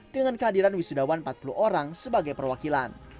dengan kehadiran wisudawan empat puluh orang sebagai perwakilan